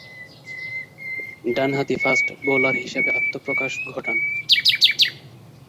ডানহাতি fast bowler হিসেবে আত্মপ্রকাশ ঘটান।